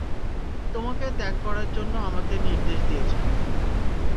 তোমাকে ত্যাগ করার জন্যে আমাকে নির্দেশ দিয়েছেন।